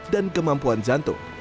dan kemampuan jantung